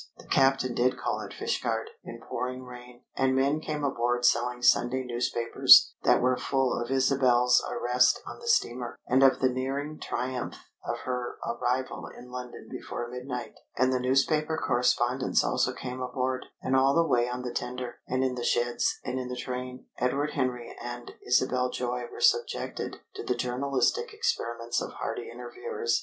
The captain did call at Fishguard, in pouring rain, and men came aboard selling Sunday newspapers that were full of Isabel's arrest on the steamer, and of the nearing triumph of her arrival in London before midnight. And newspaper correspondents also came aboard, and all the way on the tender, and in the sheds, and in the train, Edward Henry and Isabel Joy were subjected to the journalistic experiments of hardy interviewers.